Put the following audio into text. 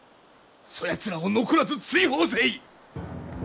そやつらを残らず追放せい！